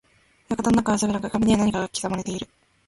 館の中は薄暗く、壁には何かが刻まれている。